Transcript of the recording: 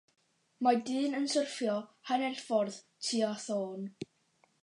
Mae dyn yn syrffio, hanner ffordd tua thôn.